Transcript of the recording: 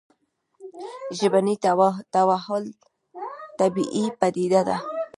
ژبني تحول طبیعي پديده ده